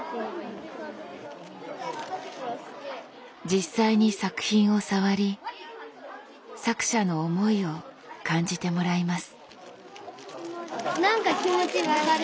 実際に作品を触り作者の思いを感じてもらいます。